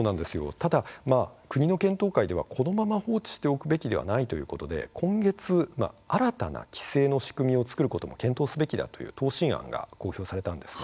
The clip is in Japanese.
ただ国の検討会でこのまま放置しておくべきではないということで今月新たな規制の仕組みを作ることも検討すべきだという答申案が公表されたんです。